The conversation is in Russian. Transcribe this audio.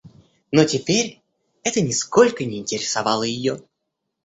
Но теперь это нисколько не интересовало ее.